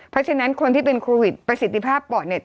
เพราะฉะนั้นคนที่เป็นโควิดประสิทธิภาพปอดเนี่ย